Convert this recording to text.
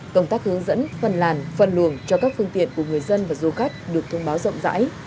công tác hướng dẫn phân làn phân luồng cho các phương tiện của người dân và du khách được thông báo rộng rãi